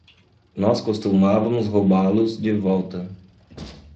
Nós costumávamos roubá-los de volta.